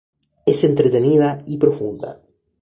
Es entretenida y profunda.